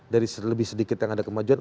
dari lebih sedikit yang ada kemajuan